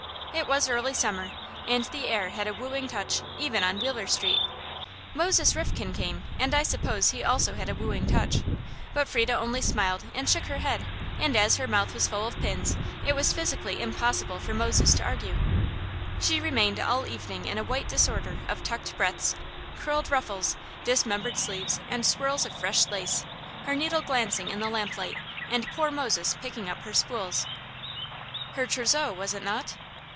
It was early summer, and the air had a wooing touch, even on Wheeler Street. Moses Rifkin came, and I suppose he also had a wooing touch. But Frieda only smiled and shook her head; and as her mouth was full of pins, it was physically impossible for Moses to argue. She remained all evening in a white disorder of tucked breadths, curled ruffles, dismembered sleeves, and swirls of fresh lace; her needle glancing in the lamplight, and poor Moses picking up her spools. Her trousseau, was it not?